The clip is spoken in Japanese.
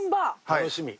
楽しみ。